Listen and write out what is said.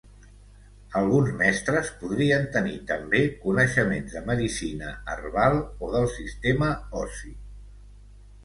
Alguns mestres podrien tenir també coneixements de medicina herbal o del sistema ossi.